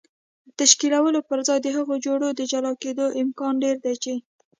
تشکیلولو پر ځای د هغو جوړو د جلا کېدو امکان ډېر دی چې